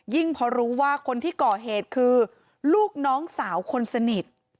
พอรู้ว่าคนที่ก่อเหตุคือลูกน้องสาวคนสนิท